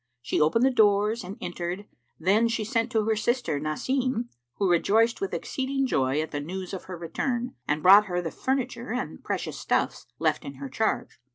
She opened the doors, and entered; then she sent to her sister Nasim, who rejoiced with exceeding joy at the news of her return and brought her the furniture and precious stuffs left in her charge.